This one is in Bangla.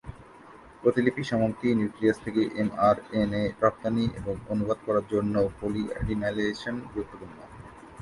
প্রতিলিপি সমাপ্তি, নিউক্লিয়াস থেকে এমআরএনএ রফতানি, এবং অনুবাদ করার জন্যও পলি-অ্যাডেনাইলেশন গুরুত্বপূর্ণ।